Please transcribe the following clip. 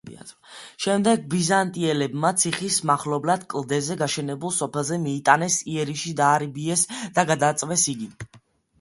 შემდეგ ბიზანტიელებმა ციხის მახლობლად კლდეზე გაშენებულ სოფელზე მიიტანეს იერიში, დაარბიეს და გადაწვეს იგი.